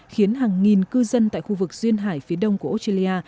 khiến hàng nghìn cư dân tại khu vực duyên hải phía đông của australia